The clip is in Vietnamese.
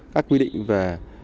các quy định về